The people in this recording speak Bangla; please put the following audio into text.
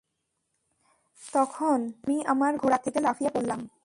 তখন আমি আমার ঘোড়া থেকে লাফিয়ে পড়লাম।